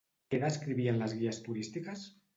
Què descrivien les guies turístiques?